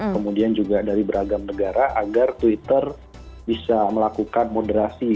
kemudian juga dari beragam negara agar twitter bisa melakukan moderasi